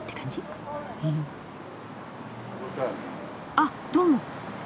あっどうも。